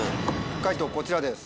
解答こちらです。